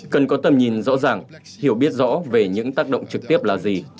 cần có tầm nhìn rõ ràng hiểu biết rõ về những tác động trực tiếp là gì